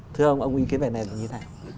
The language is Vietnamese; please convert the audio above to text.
thưa ông ông ý kiến về này là như thế nào